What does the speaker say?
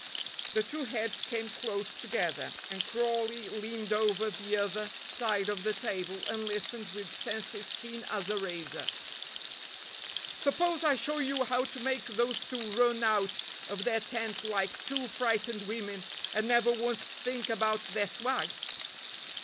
The two heads came close together, and Crawley leaned over the other side of the table and listened with senses keen as a razor. "Suppose I show you how to make those two run out of their tent like two frightened women, and never once think about their swag?"